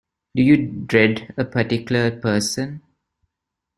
Do you dread a particular person?